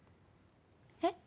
えっ？